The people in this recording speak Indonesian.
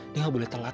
ini nggak boleh telat